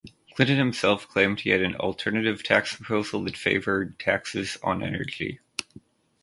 Clinton himself claimed he had an alternative tax proposal that favored taxes on energy.